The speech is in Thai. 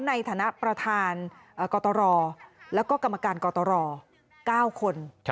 ในฐานะประธานกตรแล้วก็กรรมการกตร๙คน